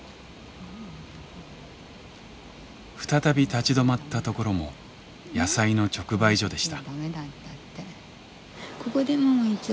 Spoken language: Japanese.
再び立ち止まったところも野菜の直売所でした。